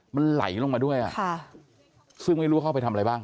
มันไหลลงมาด้วยอ่ะค่ะซึ่งไม่รู้เข้าไปทำอะไรบ้าง